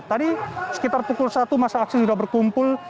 tadi sekitar pukul satu masa aksi sudah berkumpul